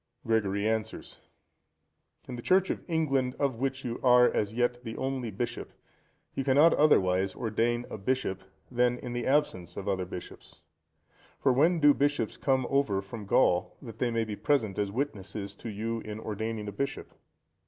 Gregory answers.—In the Church of England, of which you are as yet the only bishop, you cannot otherwise ordain a bishop than in the absence of other bishops. For when do bishops come over from Gaul, that they may be present as witnesses to you in ordaining a bishop?